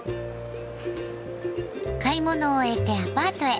買い物を終えてアパートへ。